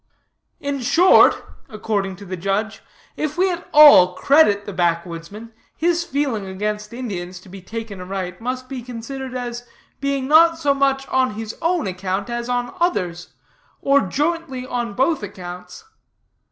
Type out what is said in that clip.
"'In short,' according to the judge, 'if we at all credit the backwoodsman, his feeling against Indians, to be taken aright, must be considered as being not so much on his own account as on others', or jointly on both accounts.